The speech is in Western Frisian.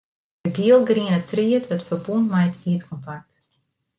De gielgriene tried wurdt ferbûn mei it ierdkontakt.